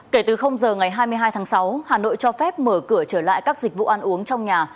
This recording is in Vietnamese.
kể từ giờ ngày hai mươi hai tháng sáu hà nội cho phép mở cửa trở lại các dịch vụ ăn uống trong nhà